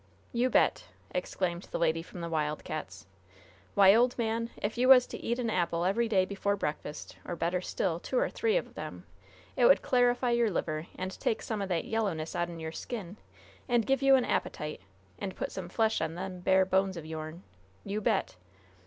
"You bet!" exclaimed the lady from Wild Cats', "Why, old man, if you was to eat an apple every day before breakfast, or better still, two or three of them, it would clarify your liver and take some o' that yellowness out'n your skin, and give you an appetite, and put some flesh on them bare bones of your'n. You bet!"